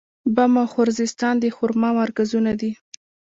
بم او خوزستان د خرما مرکزونه دي.